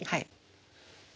はい。